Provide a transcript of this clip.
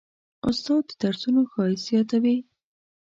استاد د درسونو ښایست زیاتوي.